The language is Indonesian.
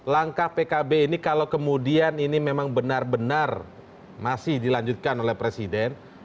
langkah pkb ini kalau kemudian ini memang benar benar masih dilanjutkan oleh presiden